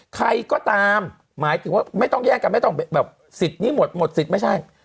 ใครก็ตามหมายถึงว่าไม่ต้องแย่งกันไม่ต้องแบบสิทธิ์นี้หมดหมดสิทธิ์ไม่ใช่